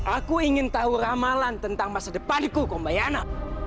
aku ingin tahu ramalan tentang masa depaniku kombayana